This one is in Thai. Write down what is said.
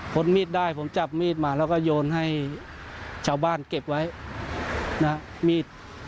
มีดได้ผมจับมีดมาแล้วก็โยนให้ชาวบ้านเก็บไว้นะมีด